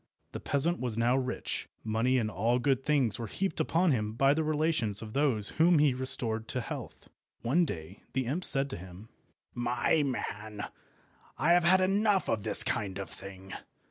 The peasant was now rich. Money and all good things were heaped upon him by the relations of those whom he restored to health. One day the imp said to him— "My man, I have had enough of this kind of thing.